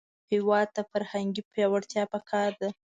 هېواد ته فرهنګي پیاوړتیا پکار ده